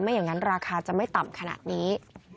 อย่างนั้นราคาจะไม่ต่ำขนาดนี้